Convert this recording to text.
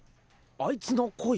あいつの恋？